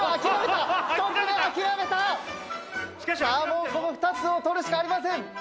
もうこの２つを取るしかありません。